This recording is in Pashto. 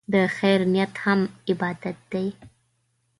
د خیر نیت هم عبادت دی.